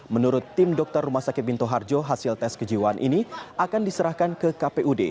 menurut tim dokter rumah sakit minto harjo hasil tes kejiwaan ini akan diserahkan ke kpud